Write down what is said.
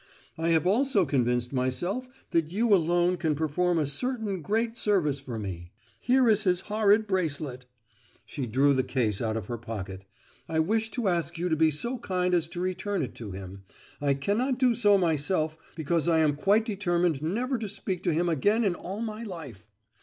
I have also convinced myself that you alone can perform a certain great service for me. Here is his horrid bracelet" (she drew the case out of her pocket)—"I wish to ask you to be so kind as to return it to him; I cannot do so myself, because I am quite determined never to speak to him again all my life.